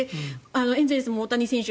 エンゼルスも大谷選手